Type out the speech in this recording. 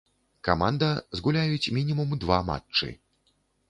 Каманда згуляюць мінімум два матчы.